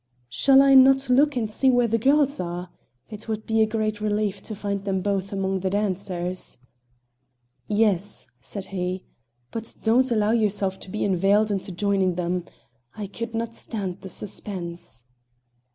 "Shall I not look and see where the girls are? It would be a great relief to find them both among the dancers." "Yes," said he, "but don't allow yourself to be inveigled into joining them. I could not stand the suspense."